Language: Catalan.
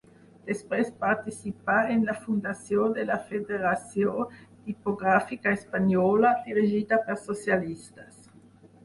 Després participà en la fundació de la Federació Tipogràfica Espanyola, dirigida per socialistes.